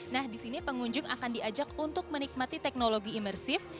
nah disini pengunjung akan diajak untuk menikmati teknologi imersif